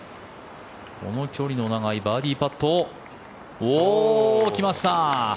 この距離の長いバーディーパット。来ました！